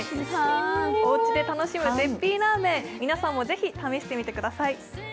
おうちで楽しむ絶品ラーメン、皆さんもぜひ試してみてください。